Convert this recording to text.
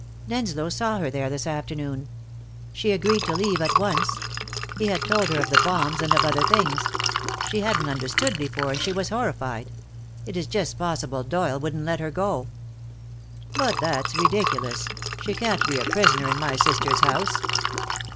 "Denslow saw her there this afternoon. She agreed to leave at once. He had told her of the bombs, and of other things. She hadn't understood before, and she was horrified. It is just possible Doyle wouldn't let her go." "But that's ridiculous. She can't be a prisoner in my sister's house."